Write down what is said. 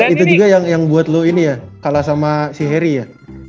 itu juga yang buat lu ini ya kalah sama siheri ya